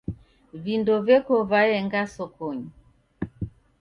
Vindo veko vaenga sokonyi.